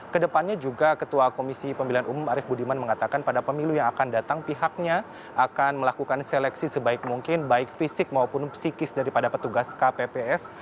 kedepannya juga ketua komisi pemilihan umum arief budiman mengatakan pada pemilu yang akan datang pihaknya akan melakukan seleksi sebaik mungkin baik fisik maupun psikis daripada petugas kpps